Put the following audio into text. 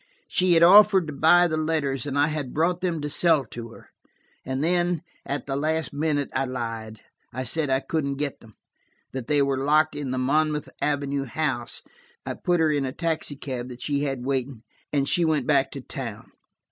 She had offered to buy the letters, and I had brought them to sell to her. And then, at the last minute, I lied. I said I couldn't get them–that they were locked in the Monmouth Avenue house. I put her in a taxicab that she had waiting, and she went back to town.